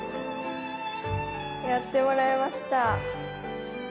やってもらいました。